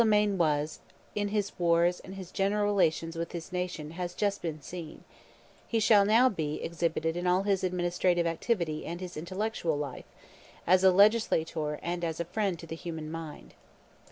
What he was in his wars and his general relations with his nation has just been seen; he shall now be exhibited in all his administrative activity and his intellectual life, as a legislator and as a friend to the human mind.